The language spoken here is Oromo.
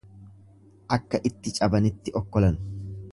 Akka itti cabanitti okkolan.